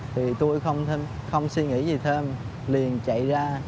thì tôi không suy nghĩ gì thêm liền chạy ra